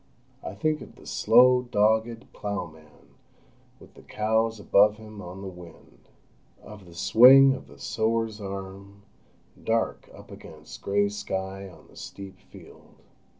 I think of the slow, dogged ploughman, with the crows above him on the wind; of the swing of the sower's arm, dark up against grey sky on the steep field.